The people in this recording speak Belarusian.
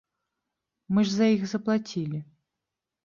Мы ж за іх заплацілі.